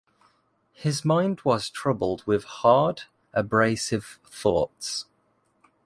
His mind was troubled with hard, abrasive thoughts.